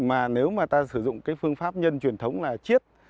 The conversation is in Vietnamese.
mà nếu mà ta sử dụng cái phương pháp nhân truyền thống là chiết